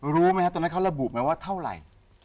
รู้ไหมครับตอนนั้นเขาระบุไหมว่าเท่าไหร่